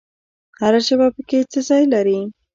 هر ژبه پکې څه ځای لري؟